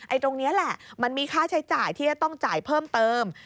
ตรงนี้แหละมันมีค่าใช้จ่ายที่จะต้องจ่ายเพิ่มเติม